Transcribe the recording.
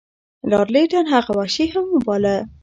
لارډ لیټن هغه وحشي هم باله.